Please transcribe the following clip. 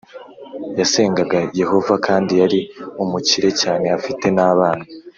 Yasengaga Yehova kandi yari umukire cyane afite n abana